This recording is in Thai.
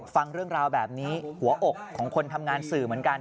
ฟังเรื่องราวแบบนี้หัวอกของคนทำงานสื่อเหมือนกัน